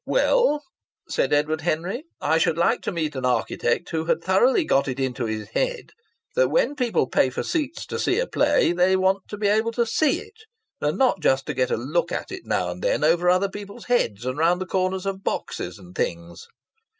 "Well," said Edward Henry, "I should like to meet an architect who had thoroughly got it into his head that when people pay for seats to see a play they want to be able to see it, and not just get a look at it now and then over other people's heads and round corners of boxes and things.